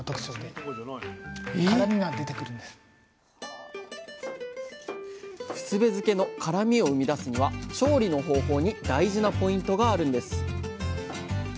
あふすべ漬の辛みを生み出すには調理の方法に大事なポイントがあるんです